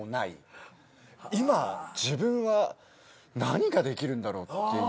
今自分は何ができるんだろうっていう。